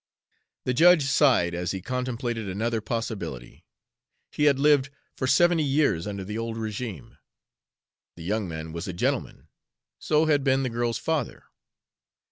The judge sighed as he contemplated another possibility. He had lived for seventy years under the old regime. The young man was a gentleman so had been the girl's father.